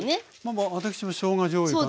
私もしょうがじょうゆかな。